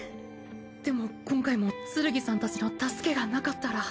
でも今回もツルギさんたちの助けがなかったら。